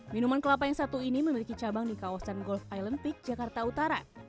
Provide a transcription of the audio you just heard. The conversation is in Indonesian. minuman kelapa yang satu ini memiliki cabang di kawasan golf island peak jakarta utara